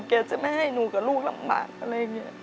จะไม่ให้หนูกับลูกลำบากอะไรอย่างนี้